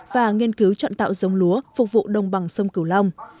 và nghiên cứu trọn tạo dông lúa phục vụ đồng bằng sông cửu long